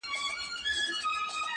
چا چي کړي پر مظلوم باندي ظلمونه!.